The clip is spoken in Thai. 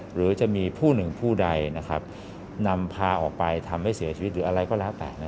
หรือจะมีผู้หนึ่งผู้ใดนำพาออกไปทำให้เสียชีวิตหรืออะไรก็แล้วแต่